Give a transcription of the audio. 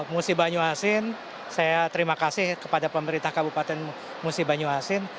musi banyuasin saya terima kasih kepada pemerintah kabupaten musi banyuasin